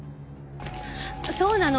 そうなの。